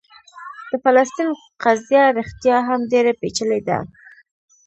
د فلسطین قضیه رښتیا هم ډېره پېچلې ده.